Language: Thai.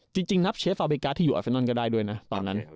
จริงนับเชฟฟาเบกัสที่อยู่อาเซนอนก็ได้ด้วยนะตอนนั้น